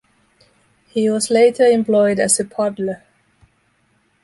He was later employed as a puddler.